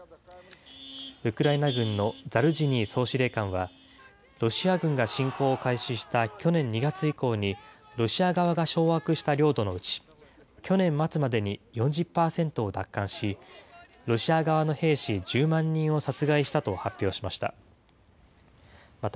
ウクライナ軍のザルジニー総司令官は、ロシア軍が侵攻を開始した去年２月以降に、ロシア側が掌握した領土のうち、去年末までに４０％を奪還し、ロシア側の兵士１０万人を殺害したと発表しました。